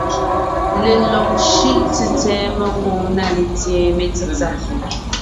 Lelɔg shʉ́ʼ tsètsɛ̀ɛ mengwòŋ na letseen metsítsà.